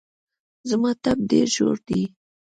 زما ټپ ډېر ژور دی